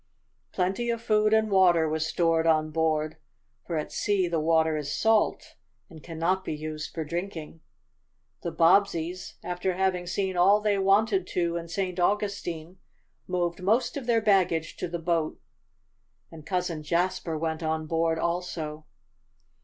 Plenty of food and water was stored on board, for at sea the water is salt and cannot be used for drinking. The Bobbseys, after having seen all they wanted to in St. Augustine, moved most of their baggage to the boat, and Cousin Jasper went on board also.